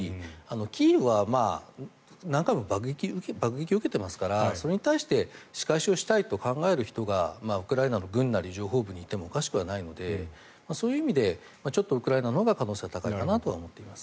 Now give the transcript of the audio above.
キーウは何回も爆撃を受けてますからそれに対して仕返しをしたいと考える人がウクライナの軍なり情報部にいてもおかしくないのでそういう意味でちょっとウクライナのほうが可能性は高いかなと思っています。